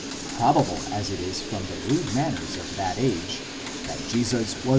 Probable as it is from the rude manners of that age, that Jesus was.